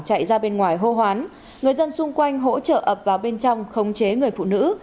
chạy ra bên ngoài hô hoán người dân xung quanh hỗ trợ ập vào bên trong khống chế người phụ nữ